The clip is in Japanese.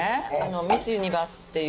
ミス・ユニバースっていう。